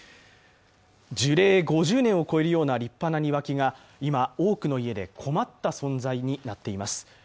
樹齢５０年を超えるような立派な庭木が今多くの家で困った存在になっています。